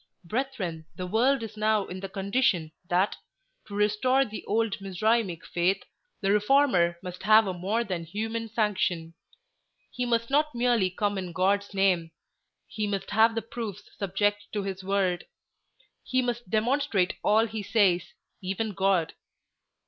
Brethren, the world is now in the condition that, to restore the old Mizraimic faith, the reformer must have a more than human sanction; he must not merely come in God's name, he must have the proofs subject to his word; he must demonstrate all he says, even God.